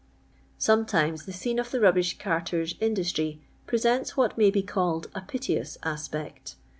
Sometimes the scene of the rubbish carter's indostry presents what may be call d a *' piteous aspect.